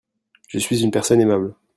Je suis une personne aimable.